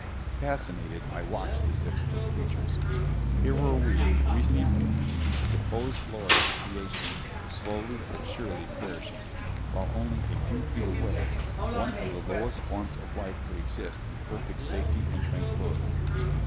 Fascinated, I watched the six foot creatures. Here were we, reasoning humans, supposed lords of creation, slowly but surely perishing while only a few feet away one of the lowest forms of life could exist in perfect safety and tranquility!